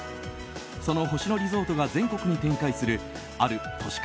その星野リゾートが全国に展開するある都市